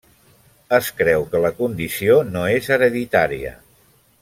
Es creu que la condició no és hereditària.